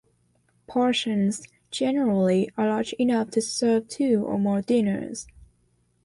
Portions generally are large enough to serve two or more diners.